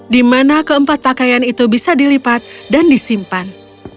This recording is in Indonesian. di mana keempat pakaian itu bisa dilipat dan disimpan